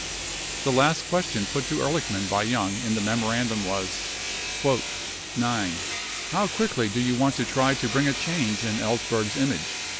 17 The last question put to Ehrlichman by Young in the memorandum was: "(9) How quickly do we want to try to bring a change in Ellsberg's image?"